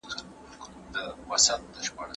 لښتې په خپله سوې ګوته باندې یو ټوکر وتاړه.